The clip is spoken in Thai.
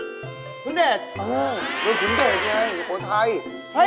เออแล้วขุนเดชไงหัวไทย